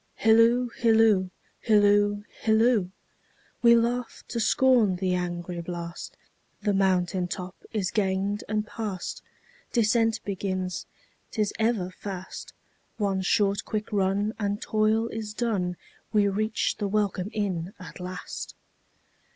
Hilloo, hilloo, hilloo, hilloo! We laugh to scorn the angry blast, The mountain top is gained and past. Descent begins, 't is ever fast—One short quick run, and toil is done, We reach the welcome inn at last.